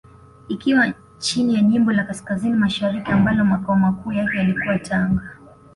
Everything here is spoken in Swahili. Ikiwa chini ya jimbo la Kaskazini Mashariki ambalo Makao Makuu yake yalikuwa Tanga